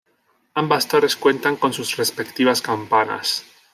Ambas torres cuentan con sus respectivas campanas.